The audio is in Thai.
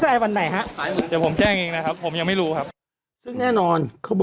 ขอบคุณนะครับขอบคุณนะครับขอบคุณนะครับ